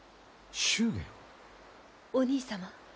お兄様